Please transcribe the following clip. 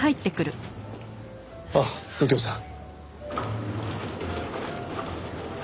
あっ右京さん。